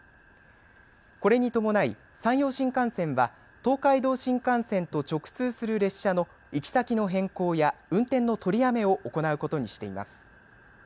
これに伴い山陽新幹線は東海道新幹線と直通する列車の行き先の変更や運転の取りやめを行うことにしています。